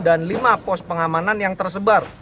dan lima pos pengamanan yang tersebar